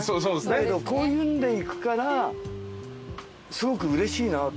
だけどこういうんで行くからすごくうれしいなと思って。